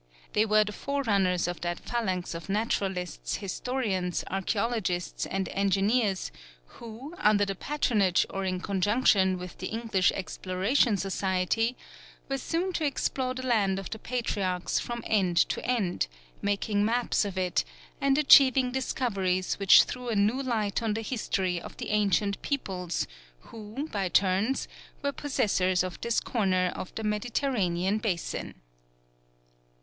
They were the forerunners of that phalanx of naturalists, historians, archæologists, and engineers, who, under the patronage or in conjunction with the English Exploration Society, were soon to explore the land of the patriarchs from end to end, making maps of it, and achieving discoveries which threw a new light on the history of the ancient peoples who, by turns, were possessors of this corner of the Mediterranean basin.